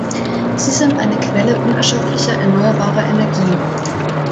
Sie sind eine Quelle unerschöpflicher erneuerbarer Energie.